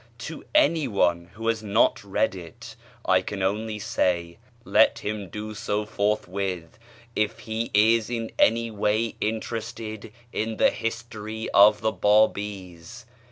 To anyone who has not read it, I can only say let him do so forthwith, if he is in any way interested in the history of the Bábís.